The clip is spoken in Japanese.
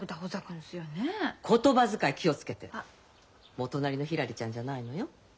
もう隣のひらりちゃんじゃないのよ。